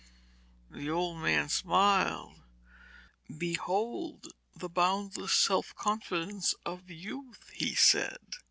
The old man smiled. 'Behold the boundless self confidence of youth!' he said.